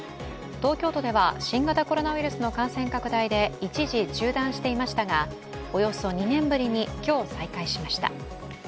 東京都では新型コロナウイルスの感染拡大で一時中断していましたが、およそ２年ぶりに今日、再開しました。